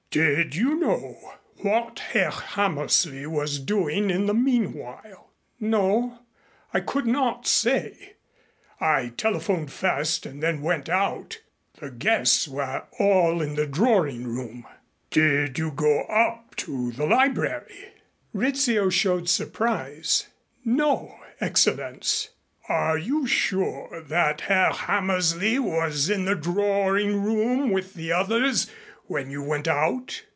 "Did you know what Herr Hammersley was doing in the meanwhile?" "No. I could not say. I telephoned first and then went out. The guests were all in the drawing room." "Did you go up to the library?" Rizzio showed surprise. "No, Excellenz." "Are you sure that Herr Hammersley was in the drawing room with the others when you went out?"